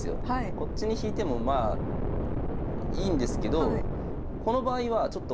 こっちに引いてもまあいいんですけどこの場合はちょっと。